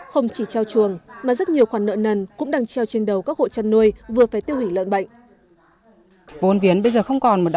không chỉ treo chuồng mà rất nhiều khoản nợ nần cũng đang treo trên đầu các hộ chăn nuôi vừa phải tiêu hủy lợn bệnh